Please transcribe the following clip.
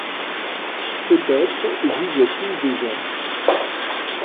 Peut-être jugeait-il déjà.